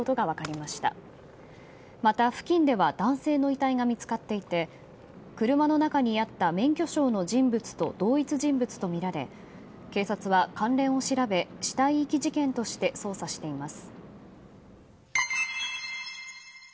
また、付近では男性の遺体が見つかっていて車の中にあった免許証の人物と同一人物とみられ警察は関連を調べ死体遺棄事件として捜査しています。